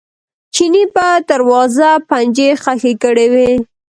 چیني په دروازه پنجې ښخې کړې وې.